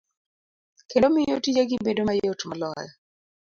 kendo miyo tijegi bedo mayot moloyo.